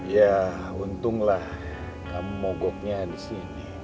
ya untunglah kamu mogoknya di sini